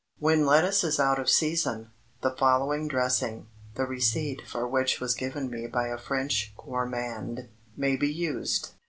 When lettuce is out of season, the following dressing, the receipt for which was given me by a French gourmand, may be used.